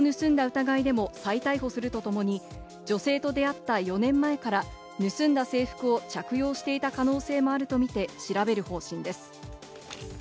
疑いでも再逮捕するとともに、女性と出会った４年前から盗んだ制服を着用していた可能性もあるとみて調べる方針です。